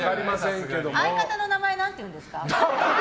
相方の名前なんて言うんですか？